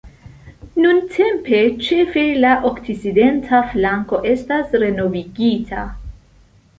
Nuntempe ĉefe la okcidenta flanko estas renovigita.